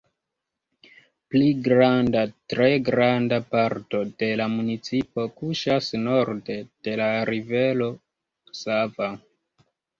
Pli granda, tre granda parto de la municipo kuŝas norde de la Rivero Sava.